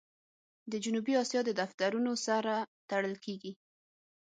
د جنوبي آسیا د دفترونو سره تړل کېږي.